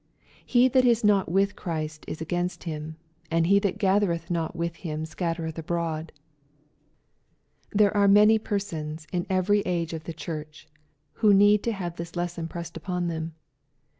" He that is not with Christ is against him, and ho that gathereth not with him scattereth abroad.'' There are many persons in every age of the Church, who need to have this lesson pressed upon them.